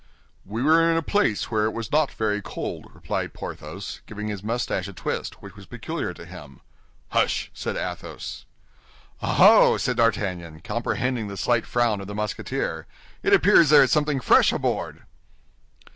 "We were in a place where it was not very cold," replied Porthos, giving his mustache a twist which was peculiar to him. "Hush!" said Athos. "Oh, oh!" said D'Artagnan, comprehending the slight frown of the Musketeer. "It appears there is something fresh aboard."